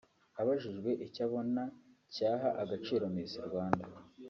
Abajijwe icyo abona cyaha agaciro Miss Rwanda